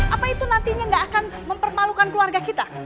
apa itu nantinya gak akan mempermalukan keluarga kita